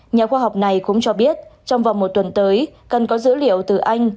nhà khoa học này cũng cho biết trong vòng một tuần tới cần có dữ liệu từ anh